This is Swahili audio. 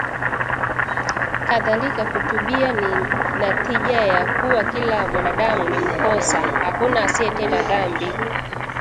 Kadhalika, kutubia, ni natija ya kuwa kila mwanadamu ni mkosa; hakuna asiyetenda dhambi